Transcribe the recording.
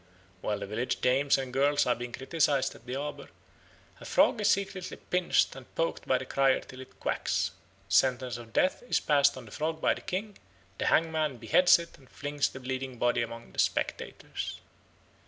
While the village dames and girls are being criticised at the arbour, a frog is secretly pinched and poked by the crier till it quacks. Sentence of death is passed on the frog by the king; the hangman beheads it and flings the bleeding body among the spectators.